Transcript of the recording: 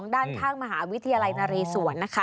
ด้านข้างมหาวิทยาลัยนเรศวรนะคะ